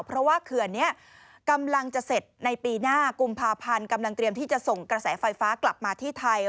เพราะว่าเขื่อนนี้กำลังจะเสร็จในปีหน้ากุมภาพันธ์กำลังเตรียมที่จะส่งกระแสไฟฟ้ากลับมาที่ไทย